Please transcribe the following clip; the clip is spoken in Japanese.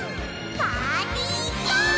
パーティゴォー！